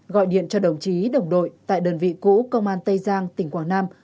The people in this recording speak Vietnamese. gọi điện cho đồng chí đồng đội tại đơn vị cũ công an tây giang tỉnh quảng nam